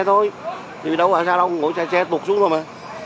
thì đâu có sao đâu ngồi xe xe tụt xuống rồi mà